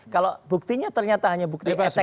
kalau buktinya ternyata hanya bukti ecek ecek